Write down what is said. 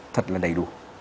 thật là đầy đủ